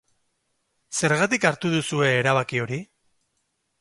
Zergatik hartu duzue erabaki hori?